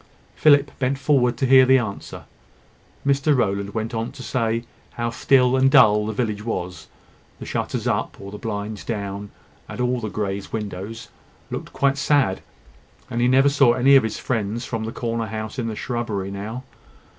Philip bent forward to hear the answer. Mr Rowland went on to say how still and dull the village was. The shutters up, or the blinds down, at all the Greys' windows, looked quite sad; and he never saw any of his friends from the corner house in the shrubbery now.